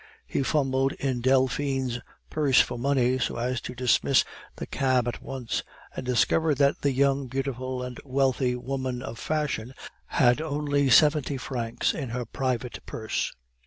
He fumbled in Delphine's purse for money, so as to dismiss the cab at once; and discovered that the young, beautiful, and wealthy woman of fashion had only seventy francs in her private purse.